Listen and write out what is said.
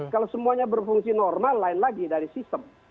kalau semuanya berfungsi normal lain lagi dari sistem